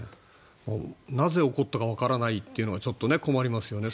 なぜ起こったかわからないというのがちょっと、困りますよね。